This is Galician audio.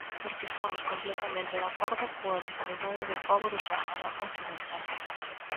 Porque estamos completamente de acordo coa dignidade do pobo do Sáhara occidental.